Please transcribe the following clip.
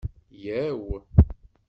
Yyaw!